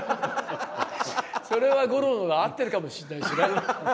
それは五郎の方が合ってるかもしれないですね。